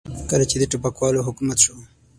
کله چې د ټوپکوالو حکومت شو.